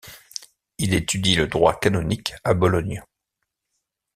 Il étudie le droit canonique à Bologne.